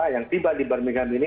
yang tiba di barminghami ini